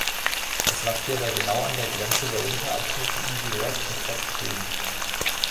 Es lag hierbei genau an der Grenze der Unterabschnitte Easy Red und Fox Green.